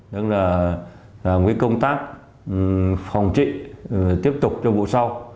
tức là công tác phòng trị tiếp tục cho vụ sau